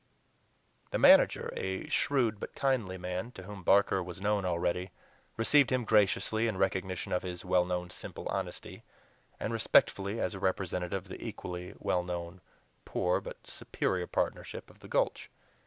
The manager, a shrewd but kindly man, to whom Barker was known already, received him graciously in recognition of his well known simple honesty, and respectfully as a representative of the equally well known poor but "superior" partnership of the Gulch.